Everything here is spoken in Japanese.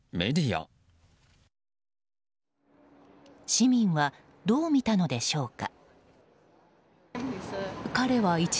市民はどう見たのでしょうか。